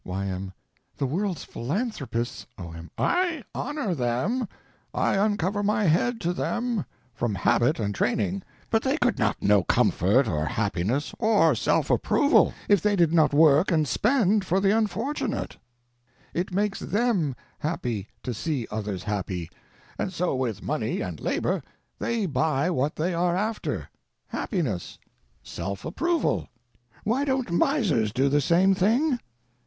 Y.M. The world's philanthropists— O.M. I honor them, I uncover my head to them—from habit and training; and they could not know comfort or happiness or self approval if they did not work and spend for the unfortunate. It makes them happy to see others happy; and so with money and labor they buy what they are after—happiness, self approval. Why don't miners do the same thing?